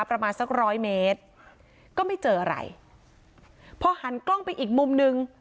ประมาณสักร้อยเมตรก็ไม่เจออะไรพอหันกล้องไปอีกมุมหนึ่ง